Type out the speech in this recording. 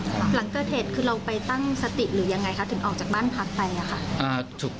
หลังเกิดเหตุคือเราไปตั้งสติหรือยังไงคะถึงออกจากบ้านพักไปอะค่ะ